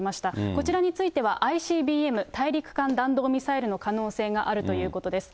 こちらについてはＩＣＢＭ・大陸間弾道ミサイルの可能性があるということです。